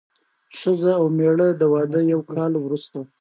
ښځه او مېړه د واده یو کال وروسته.